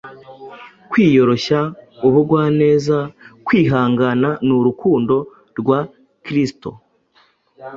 kwiyoroshya, ubugwaneza, kwihangana n’urukundo rwa Kristo.